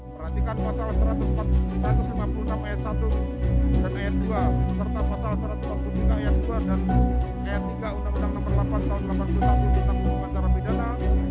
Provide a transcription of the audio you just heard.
perhatikan pasal satu ratus empat puluh enam ayat satu dan ayat dua serta pasal satu ratus empat puluh tiga ayat dua dan ayat tiga undang undang nomor delapan tahun seribu sembilan ratus delapan puluh satu tentang hukum acara pidana